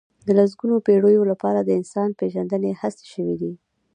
د لسګونو پېړيو لپاره د انسان پېژندنې هڅې شوي دي.